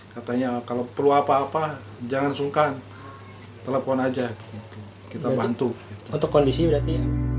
katanya kalau perlu apa apa jangan sungkan telepon aja kita bantu untuk kondisi berarti